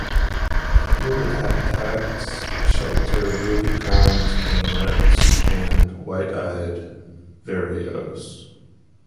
Wooded habitats shelter ruby-crowned kinglets and white-eyed vireos.